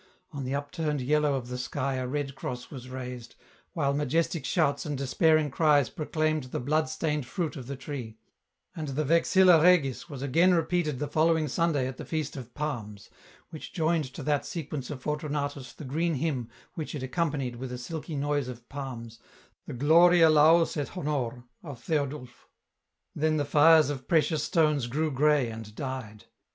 On the upturned yellow of the sky a red cross was raised, while majestic shouts and despairing cries proclaimed the blood stained fruit of the tree ; and the *' Vexilla Regis " was again repeated the following Sunday at the Feast of Palms, which joined to that Sequence of Fortunatus the green hymn which it accompanied with a silky noise of palms, the " Gloria laus et honor " of Theodulph. Then the fires of precious stones grew grey and died.